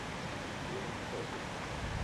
ยูเอ็นเผย